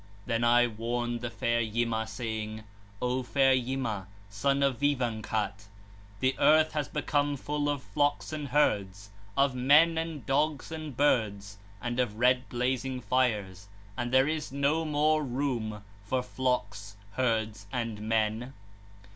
9. Then I warned the fair Yima, saying: 'O fair Yima, son of Vîvanghat, the earth has become full of flocks and herds, of men and dogs and birds and of red blazing fires, and there is no more room for flocks, herds, and men.'